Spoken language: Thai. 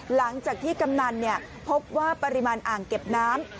หลังจากที่กำนันพบว่าปริมาณอ่างเก็บน้ำ